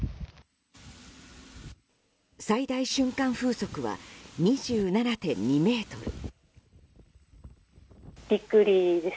最大瞬間風速は２７．２メートル。